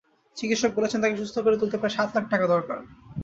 চিকিৎসক বলেছেন, তাকে সুস্থ করে তুলতে প্রায় সাত লাখ টাকা দরকার।